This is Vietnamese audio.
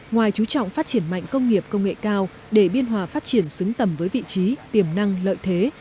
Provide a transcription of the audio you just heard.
ngoài chú trọng phát triển mạnh công nghiệp công nghệ cao để biên hòa phát triển xứng tầm với vị trí tiềm năng lợi thế